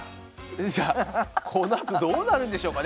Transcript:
じゃあこのあとどうなるんでしょうかね？